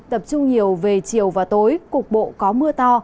tập trung nhiều về chiều và tối cục bộ có mưa to